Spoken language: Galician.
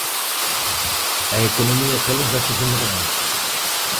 A economía galega segue medrando.